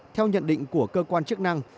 theo nhận định của cơ quan chức năng